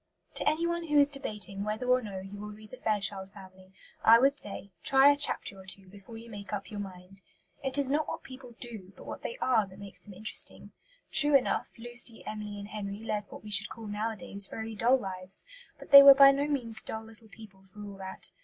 To anyone who is debating whether or no he will read the Fairchild Family, I would say, Try a chapter or two before you make up your mind. It is not what people do, but what they are that makes them interesting. True enough, Lucy, Emily and Henry led what we should call nowadays very dull lives; but they were by no means dull little people for all that.